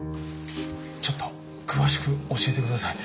ちょっと詳しく教えて下さい。